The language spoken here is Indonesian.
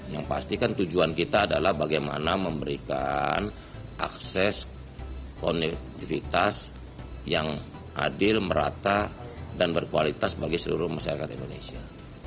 yang pasti kan tujuan kita adalah bagaimana memberikan akses konektivitas yang adil merata dan berkualitas bagi seluruh masyarakat indonesia